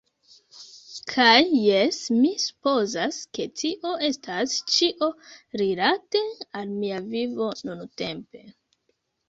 Kaj jes, mi supozas, ke tio estas ĉio rilate al mia vivo nuntempe.